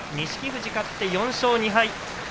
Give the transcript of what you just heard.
富士が勝って４勝２敗。